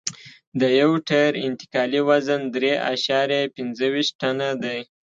د یو ټیر انتقالي وزن درې اعشاریه پنځه ویشت ټنه دی